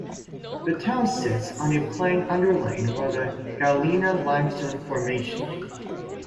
The town sits on a plain underlain by the Galena Limestone formation.